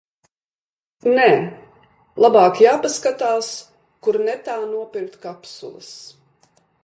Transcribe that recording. Nē, labāk jāpaskatās, kur netā nopirkt kapsulas.